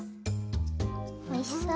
おいしそう。